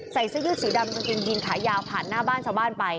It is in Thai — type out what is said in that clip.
เสื้อยืดสีดำกางเกงยีนขายาวผ่านหน้าบ้านชาวบ้านไป